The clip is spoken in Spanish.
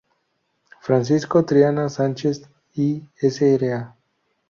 Francisco Triana Sanchez y Sra.